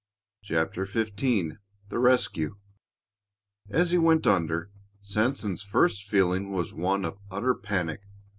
CHAPTER XV THE RESCUE As he went under, Sanson's first feeling was one of utter panic.